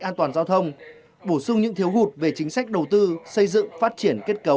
an toàn giao thông bổ sung những thiếu hụt về chính sách đầu tư xây dựng phát triển kết cấu